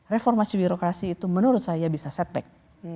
reformasi birokrasi itu menurut saya bisa setback